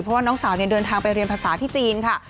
เพราะว่าน้องสาวเดินทางไปเรียนภาษาที่จีนค่ะ